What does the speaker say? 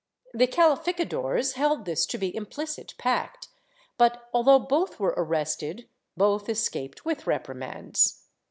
The calificadores held this to be implicit pact but, although both were arrested, both escaped with reprimands.